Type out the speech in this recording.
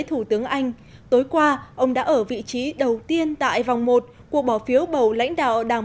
thủ tướng anh tối qua ông đã ở vị trí đầu tiên tại vòng một cuộc bỏ phiếu bầu lãnh đạo đảng